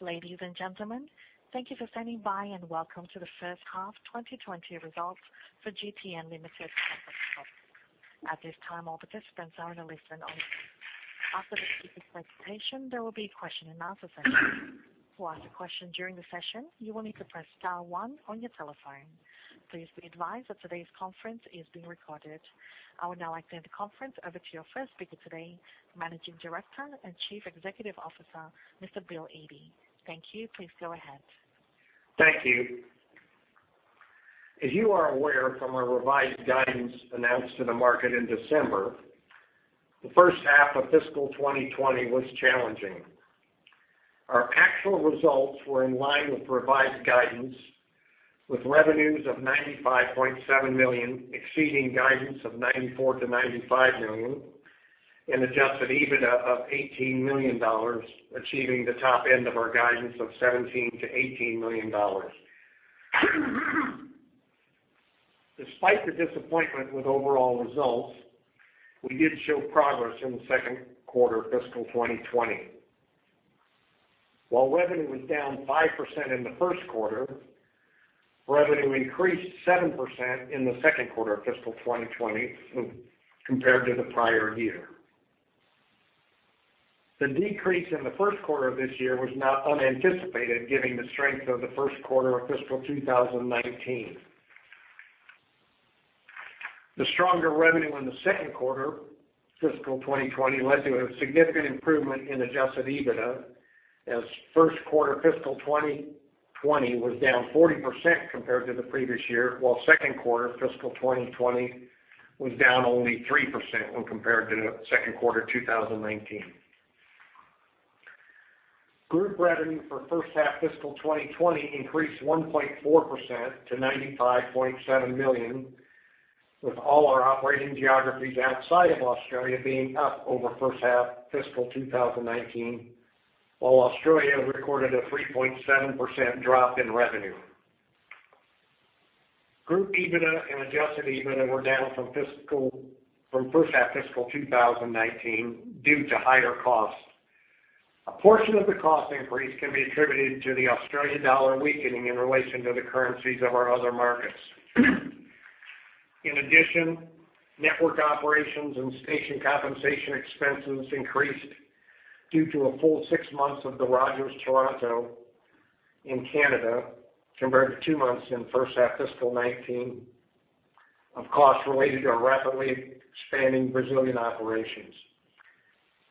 Ladies and gentlemen, thank you for standing by, and welcome to the first-half 2020 results for GTN Limited conference call. At this time, all participants are in a listen-only mode. After the speaker presentation, there will be a question-and-answer session. To ask a question during the session, you will need to press star one on your telephone. Please be advised that today's conference is being recorded. I would now like to hand the conference over to your first speaker today, Managing Director and Chief Executive Officer, Mr. Bill Yde. Thank you. Please go ahead. Thank you. As you are aware from our revised guidance announced to the market in December, the first half of fiscal 2020 was challenging. Our actual results were in line with revised guidance, with revenues of 95.7 million exceeding guidance of 94 million-95 million, and adjusted EBITDA of 18 million dollars, achieving the top end of our guidance of 17 million-18 million dollars. Despite the disappointment with overall results, we did show progress in the second quarter of fiscal 2020. While revenue was down 5% in the first quarter, revenue increased 7% in the second quarter of fiscal 2020 compared to the prior year. The decrease in the first quarter of this year was not unanticipated given the strength of the first quarter of fiscal 2019. The stronger revenue in the second quarter fiscal 2020 led to a significant improvement in adjusted EBITDA, as first quarter fiscal 2020 was down 40% compared to the previous year, while second quarter fiscal 2020 was down only 3% when compared to the second quarter of 2019. Group revenue for first half fiscal 2020 increased 1.4% to 95.7 million, with all our operating geographies outside of Australia being up over first half fiscal 2019, while Australia recorded a 3.7% drop in revenue. Group EBITDA and adjusted EBITDA were down from first half fiscal 2019 due to higher costs. A portion of the cost increase can be attributed to the Australian dollar weakening in relation to the currencies of our other markets. In addition, network operations and station compensation expenses increased due to a full six months of the Rogers Toronto in Canada, compared to two months in first half fiscal 2019, of costs related to our rapidly expanding Brazilian operations.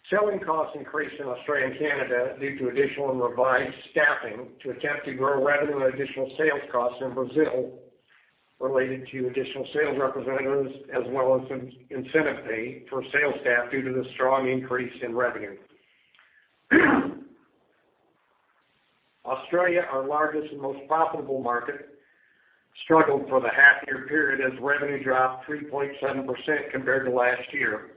Selling costs increased in Australia and Canada due to additional and revised staffing to attempt to grow revenue and additional sales costs in Brazil related to additional sales representatives, as well as some incentive pay for sales staff due to the strong increase in revenue. Australia, our largest and most profitable market, struggled for the half-year period as revenue dropped 3.7% compared to last year.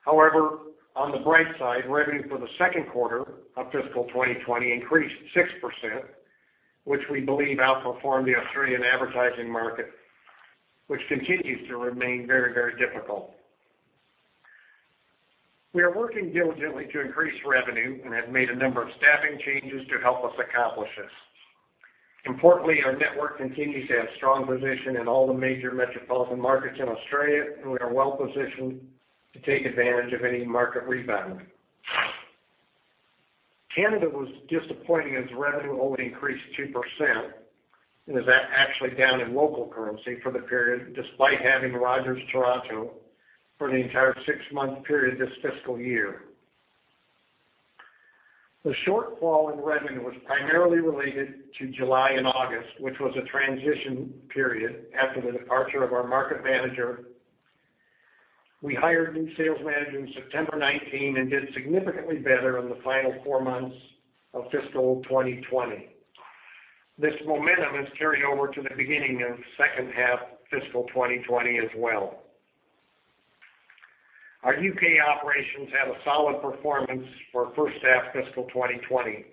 However, on the bright side, revenue for the second quarter of fiscal 2020 increased 6%, which we believe outperformed the Australian advertising market, which continues to remain very difficult. We are working diligently to increase revenue and have made a number of staffing changes to help us accomplish this. Importantly, our network continues to have strong position in all the major metropolitan markets in Australia, and we are well positioned to take advantage of any market rebound. Canada was disappointing as revenue only increased 2% and is actually down in local currency for the period despite having Rogers Toronto for the entire six-month period this fiscal year. The shortfall in revenue was primarily related to July and August, which was a transition period after the departure of our market manager. We hired a new sales manager in September 2019 and did significantly better in the final four months of fiscal 2020. This momentum has carried over to the beginning of second half fiscal 2020 as well. Our U.K. operations had a solid performance for first half fiscal 2020.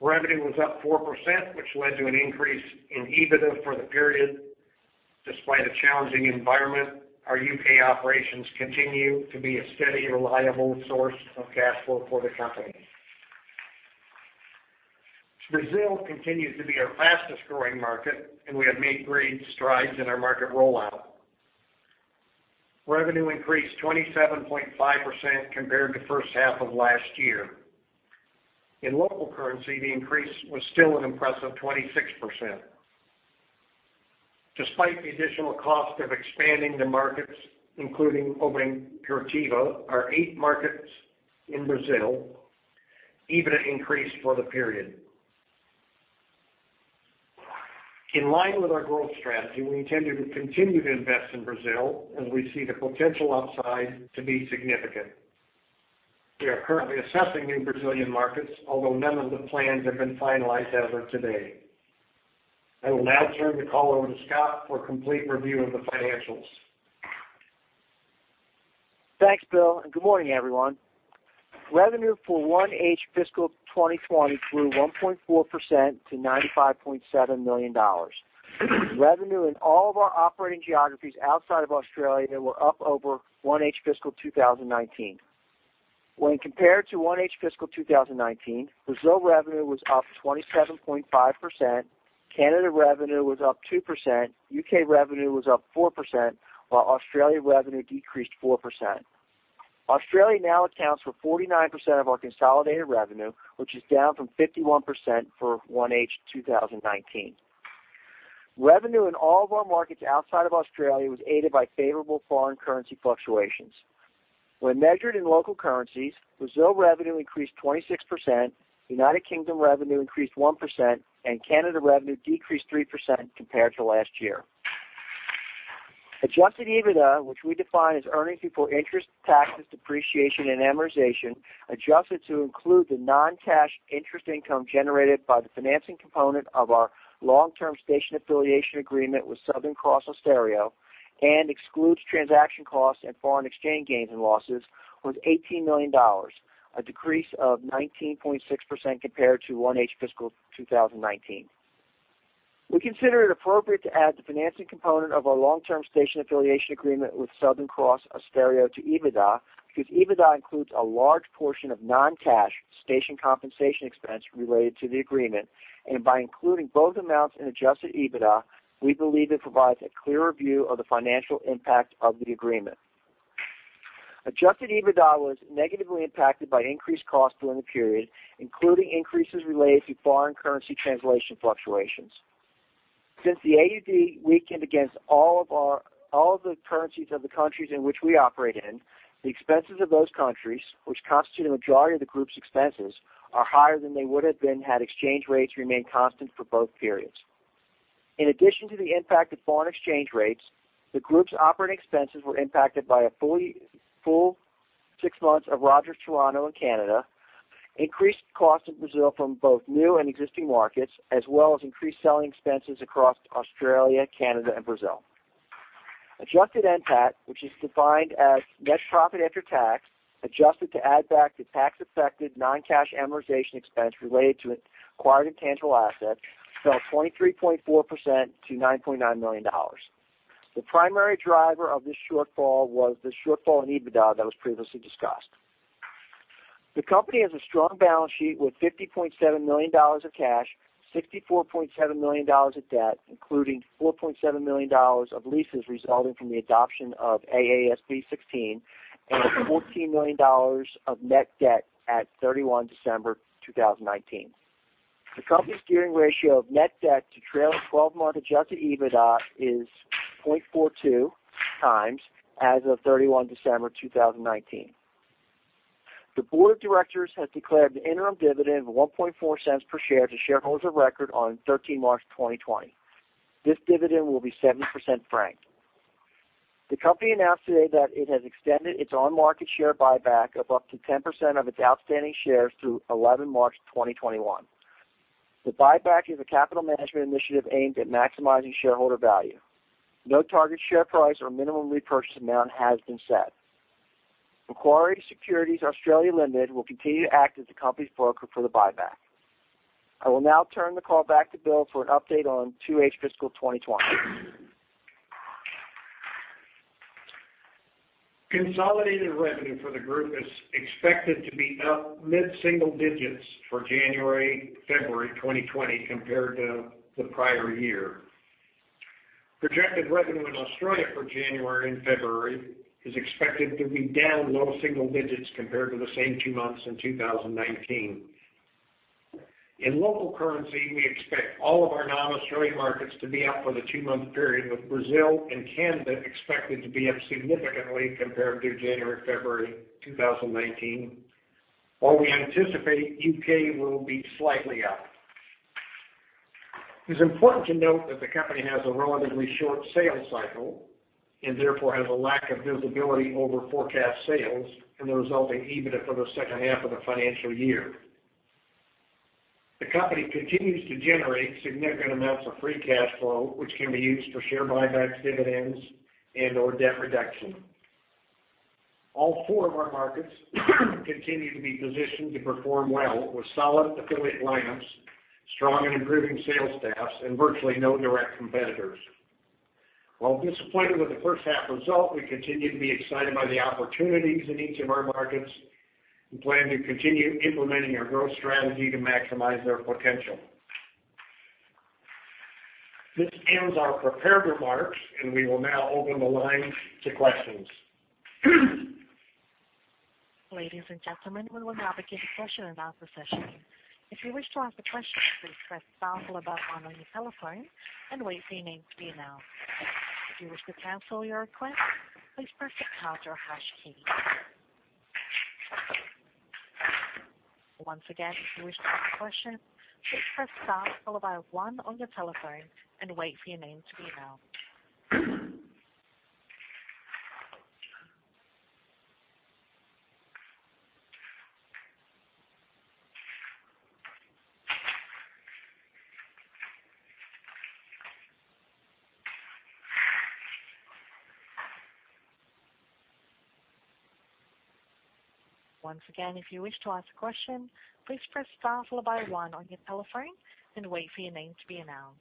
Revenue was up 4%, which led to an increase in EBITDA for the period. Despite a challenging environment, our U.K. operations continue to be a steady, reliable source of cash flow for the company. Brazil continues to be our fastest-growing market, we have made great strides in our market rollout. Revenue increased 27.5% compared to first half of last year. In local currency, the increase was still an impressive 26%. Despite the additional cost of expanding the markets, including opening Curitiba, our eighth market in Brazil, EBITDA increased for the period. In line with our growth strategy, we intend to continue to invest in Brazil as we see the potential upside to be significant. We are currently assessing new Brazilian markets, although none of the plans have been finalized as of today. I will now turn the call over to Scott for a complete review of the financials. Thanks, Bill. Good morning, everyone. Revenue for 1H fiscal 2020 grew 1.4% to 95.7 million dollars. Revenue in all of our operating geographies outside of Australia were up over 1H fiscal 2019. When compared to 1H fiscal 2019, Brazil revenue was up 27.5%, Canada revenue was up 2%, U.K. revenue was up 4%, while Australia revenue decreased 4%. Australia now accounts for 49% of our consolidated revenue, which is down from 51% for 1H 2019. Revenue in all of our markets outside of Australia was aided by favorable foreign currency fluctuations. When measured in local currencies, Brazil revenue increased 26%, United Kingdom revenue increased 1%, and Canada revenue decreased 3% compared to last year. Adjusted EBITDA, which we define as earnings before interest, taxes, depreciation, and amortization, adjusted to include the non-cash interest income generated by the financing component of our long-term station affiliation agreement with Southern Cross Austereo and excludes transaction costs and foreign exchange gains and losses, was 18 million dollars, a decrease of 19.6% compared to 1H fiscal 2019. We consider it appropriate to add the financing component of our long-term station affiliation agreement with Southern Cross Austereo to EBITDA, because EBITDA includes a large portion of non-cash station compensation expense related to the agreement, and by including both amounts in adjusted EBITDA, we believe it provides a clearer view of the financial impact of the agreement. Adjusted EBITDA was negatively impacted by increased costs during the period, including increases related to foreign currency translation fluctuations. Since the AUD weakened against all of the currencies of the countries in which we operate in, the expenses of those countries, which constitute a majority of the group's expenses, are higher than they would have been had exchange rates remained constant for both periods. In addition to the impact of foreign exchange rates, the group's operating expenses were impacted by a full six months of Rogers Communications in Canada, increased costs in Brazil from both new and existing markets, as well as increased selling expenses across Australia, Canada, and Brazil. Adjusted NPAT, which is defined as net profit after tax, adjusted to add back the tax-affected non-cash amortization expense related to acquired intangible assets, fell 23.4% to 9.9 million dollars. The primary driver of this shortfall was the shortfall in EBITDA that was previously discussed. The company has a strong balance sheet with 50.7 million dollars of cash, 64.7 million dollars of debt, including 4.7 million dollars of leases resulting from the adoption of AASB 16, and 14 million dollars of net debt at 31 December 2019. The company's gearing ratio of net debt to trailing 12-month adjusted EBITDA is 0.42 times as of 31 December 2019. The board of directors has declared an interim dividend of 0.014 per share to shareholders of record on 13 March 2020. This dividend will be 70% franked. The company announced today that it has extended its on-market share buyback of up to 10% of its outstanding shares through 11 March 2021. The buyback is a capital management initiative aimed at maximizing shareholder value. No target share price or minimum repurchase amount has been set. Macquarie Securities Australia Limited will continue to act as the company's broker for the buyback. I will now turn the call back to Bill for an update on 2H fiscal 2020. Consolidated revenue for the group is expected to be up mid-single digits for January, February 2020 compared to the prior year. Projected revenue in Australia for January and February is expected to be down low single digits compared to the same two months in 2019. In local currency, we expect all of our non-Australian markets to be up for the two-month period, with Brazil and Canada expected to be up significantly compared to January, February 2019, while we anticipate U.K. will be slightly up. It's important to note that the company has a relatively short sales cycle, and therefore has a lack of visibility over forecast sales and the resulting EBITDA for the second half of the financial year. The company continues to generate significant amounts of free cash flow, which can be used for share buybacks, dividends, and/or debt reduction. All four of our markets continue to be positioned to perform well with solid affiliate lineups, strong and improving sales staffs, and virtually no direct competitors. While disappointed with the first half result, we continue to be excited by the opportunities in each of our markets and plan to continue implementing our growth strategy to maximize their potential. This ends our prepared remarks. We will now open the line to questions. Ladies and gentlemen, we will now begin the question-and-answer session. If you wish to ask a question, please press star followed by one on your telephone and wait for your name to be announced. If you wish to cancel your request, please press the pound or hash key. Once again, if you wish to ask a question, please press star followed by one on your telephone and wait for your name to be announced. Once again, if you wish to ask a question, please press star followed by one on your telephone and wait for your name to be announced.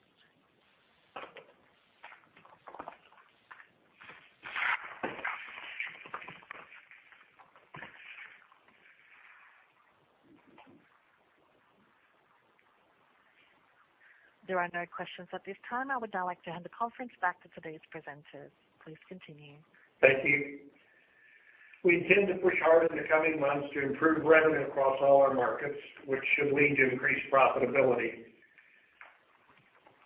There are no questions at this time. I would now like to hand the conference back to today's presenters. Please continue. Thank you. We intend to push hard in the coming months to improve revenue across all our markets, which should lead to increased profitability.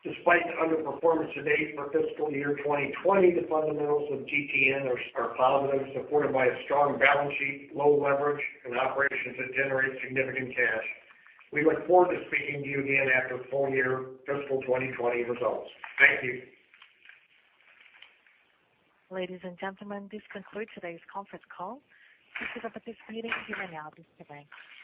Despite the underperformance to date for fiscal year 2020, the fundamentals of GTN are positive, supported by a strong balance sheet, low leverage, and operations that generate significant cash. We look forward to speaking to you again after full year fiscal 2020 results. Thank you. Ladies and gentlemen, this concludes today's conference call. This is a participating human now disconnecting.